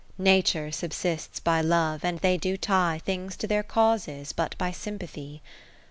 Nature subsists by Love, and they do tie Things to their causes but by sympathy.